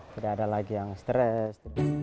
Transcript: tidak ada lagi yang stres